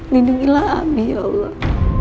lindungilah abi ya allah